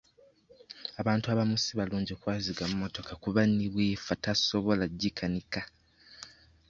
Abantu abamu si balungi kwazika mmotoka kuba ne bw'efa tabasobola kugikanika.